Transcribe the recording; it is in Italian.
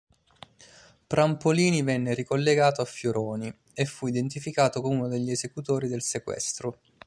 Prampolini venne ricollegato a Fioroni, e fu identificato come uno degli esecutori del sequestro.